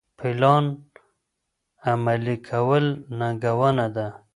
پلان عملي کول ننګونه ده.